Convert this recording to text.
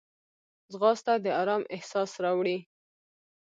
ځغاسته د آرام احساس راوړي